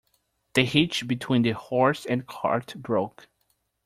The hitch between the horse and cart broke.